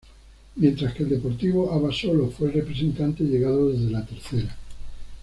Mientras que el Deportivo Abasolo fue el representante llegado desde la Tercera.